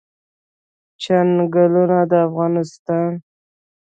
چنګلونه د افغانستان د انرژۍ سکتور برخه ده.